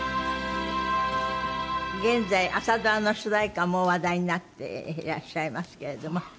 現在朝ドラの主題歌も話題になっていらっしゃいますけれども。